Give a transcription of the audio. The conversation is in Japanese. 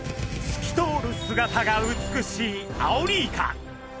透き通る姿が美しいアオリイカ！